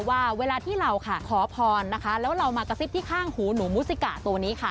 ว่าเวลาที่เราค่ะขอพรนะคะแล้วเรามากระซิบที่ข้างหูหนูมูซิกะตัวนี้ค่ะ